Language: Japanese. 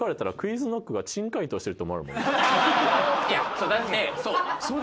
そうだってそう。